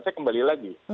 saya kembali lagi